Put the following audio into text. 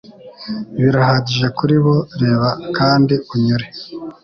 Birahagije kuri bo reba kandi unyure